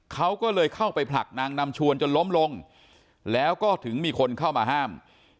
เขาก็เลยเข้าไปผลักนางนำชวนจนล้มลงแล้วก็ถึงมีคนเข้ามาห้าม